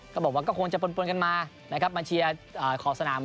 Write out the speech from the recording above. ก็บอกว่าก็คงจะปนกันมานะครับมาเชียร์ขอบสนาม